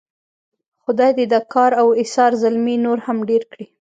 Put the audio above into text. خدای دې د کار او ایثار زلمي نور هم ډېر کړي.